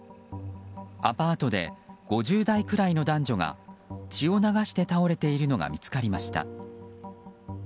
アパートで５０代くらいの男女が血を流して倒れているのが見つかりました。